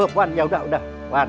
puan ya udah